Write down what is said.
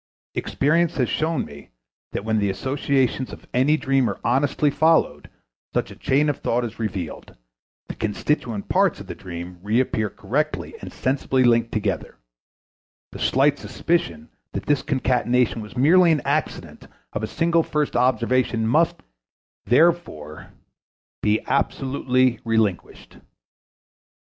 Experience has shown me that when the associations of any dream are honestly followed such a chain of thought is revealed, the constituent parts of the dream reappear correctly and sensibly linked together; the slight suspicion that this concatenation was merely an accident of a single first observation must, therefore, be absolutely relinquished.